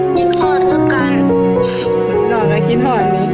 ลองกันถามอีกหลายเด้อ